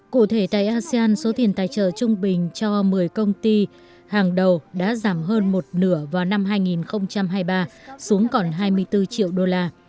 cụ thể tại asean số tiền tài trợ trung bình cho một mươi công ty hàng đầu đã giảm hơn một nửa vào năm hai nghìn hai mươi ba xuống còn hai mươi bốn triệu đô la